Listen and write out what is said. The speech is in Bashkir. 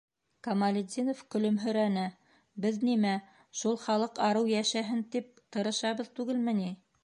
- Камалетдинов көлөмһөрәне, - беҙ нимә... шул халыҡ арыу йәшәһен тип тырышабыҙ түгелме ни?